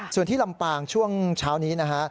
ส่วนที่ลำปางช่วงเช้านี้นะฮะ